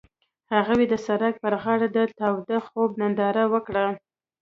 هغوی د سړک پر غاړه د تاوده خوب ننداره وکړه.